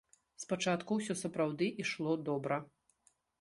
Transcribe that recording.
Спачатку ўсё сапраўды ішло добра.